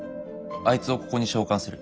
あいつをここに召喚する。